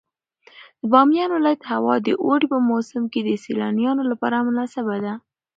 د بامیان ولایت هوا د اوړي په موسم کې د سیلانیانو لپاره مناسبه ده.